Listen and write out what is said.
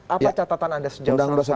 apa catatan anda sejauh seratus hari